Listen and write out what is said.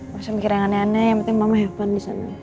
masih mikir yang aneh aneh yang penting mama helpin disana